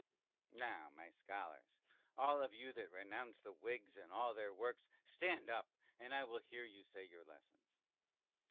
TUTOR. Now my Scholars, all of you that renounce the Whigs and all their works, stand up, and I will hear you say your lessons.